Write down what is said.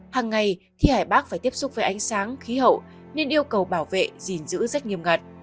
hàng ngày thi hải bác phải tiếp xúc với ánh sáng khí hậu nên yêu cầu bảo vệ gìn giữ rất nghiêm ngặt